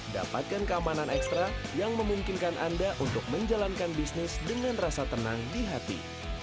dapatkan keamanan ekstra yang memungkinkan anda untuk menjalankan bisnis dengan rasa tenang di hati